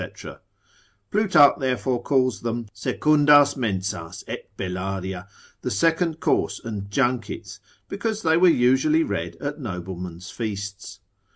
Plutarch therefore calls them, secundas mensas et bellaria, the second course and junkets, because they were usually read at noblemen's feasts.